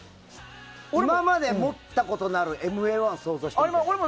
今まで持ったことのあるＭＡ‐１を想像してみてよ。